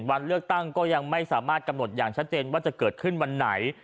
วันเลือกตั้งก็ยังไม่สามารถกำหนดอย่างชัดเจนว่าจะเกิดขึ้นวันไหน